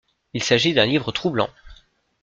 Il s’agit d’un livre troublant.